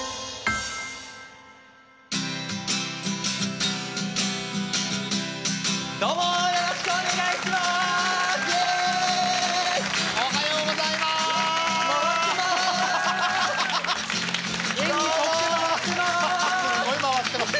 ハハすんごい回ってます。